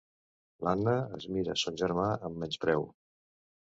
L'Anna es mira son germà amb menyspreu.